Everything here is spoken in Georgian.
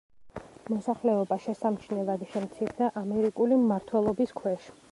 მოსახლეობა შესამჩნევად შემცირდა ამერიკული მმართველობის ქვეშ.